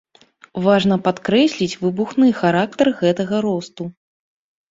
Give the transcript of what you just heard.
Важна падкрэсліць выбухны характар гэтага росту.